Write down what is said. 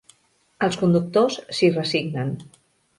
Els conductors s'hi resignen.